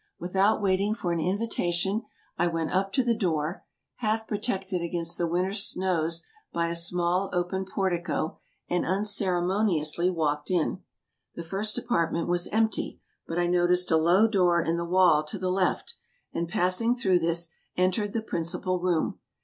Without waiting for an invitation, I went up to the door — half pro tected against the winter snows by a small open portico —■ and unceremoniously walked in. The first apartment was empty, but I noticed a low door in the wall to the left, and passing through this, entered the principal room.